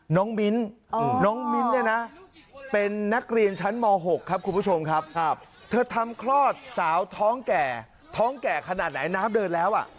มิ้นน้องมิ้นท์เนี่ยนะเป็นนักเรียนชั้นม๖ครับคุณผู้ชมครับเธอทำคลอดสาวท้องแก่ท้องแก่ขนาดไหนน้ำเดินแล้วอ่ะ